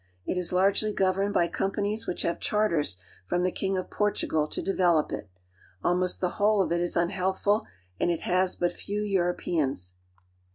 It is largely governed by companies which have charters from the king of Portugal to develop it. Almost the whole of it is unhealthful, and it has but few Europeans.